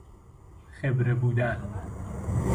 خبره بودن